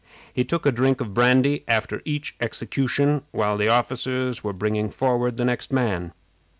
He took a drink of brandy after each execution while the officers were bringing forward the next man.